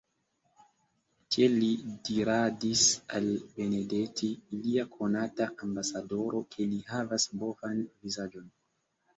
Tiel li diradis al Benedetti, lia konata ambasadoro, ke li havas bovan vizaĝon.